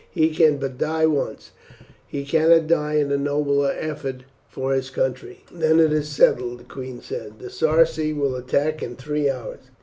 "He can but die once; he cannot die in a nobler effort for his country." "Then it is settled," the queen said. "The Sarci will attack in three hours."